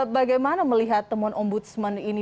bagaimana melihat temuan ombudsman ini